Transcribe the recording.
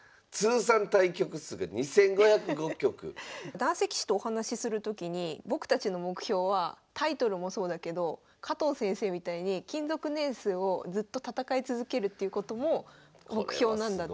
男性棋士とお話しするときに僕たちの目標はタイトルもそうだけど加藤先生みたいに勤続年数をずっと戦い続けるっていうことも目標なんだって。